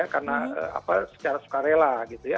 karena apa secara sukarela gitu ya